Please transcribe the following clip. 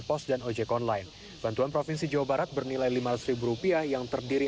pos dan ojek online bantuan provinsi jawa barat bernilai lima ratus rupiah yang terdiri